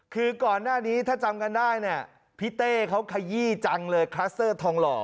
คือก่อนหน้านี้ถ้าจำกันได้พลิเต้เขาขยี้จังเลยทองหล่อ